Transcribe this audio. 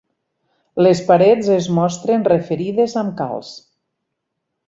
Les parets es mostren referides amb calç.